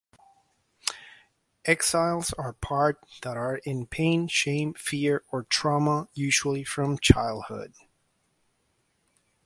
Exiles are parts that are in pain, shame, fear, or trauma, usually from childhood.